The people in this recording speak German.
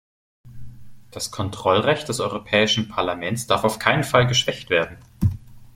Das Kontrollrecht des Europäischen Parlaments darf auf keinen Fall geschwächt werden.